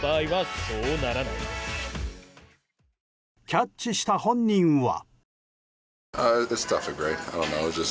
キャッチした本人は。